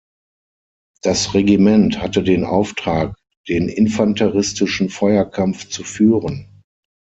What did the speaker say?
Das Regiment hatte den Auftrag, den infanteristischen Feuerkampf zu führen.